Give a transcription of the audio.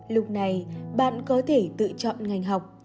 lúc này bạn có thể tự chọn ngành học